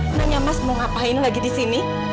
nanya mas mau ngapain lagi disini